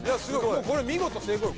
もうこれ見事成功よ